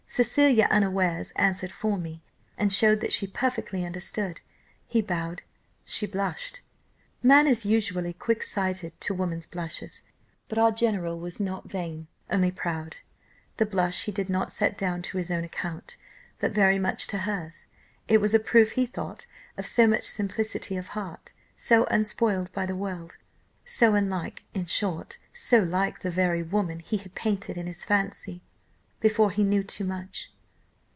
Cecilia, unawares, answered for me, and showed that she perfectly understood: he bowed she blushed. "Man is usually quicksighted to woman's blushes. But our general was not vain, only proud; the blush he did not set down to his own account, but very much to hers. It was a proof, he thought, of so much simplicity of heart, so unspoiled by the world, so unlike in short, so like the very woman he had painted in his fancy, before he knew too much